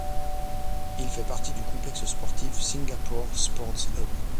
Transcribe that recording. Il fait partie du complexe sportif Singapore Sports Hub.